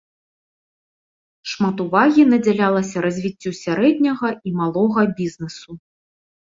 Шмат увагі надзялялася развіццю сярэдняга і малога бізнесу.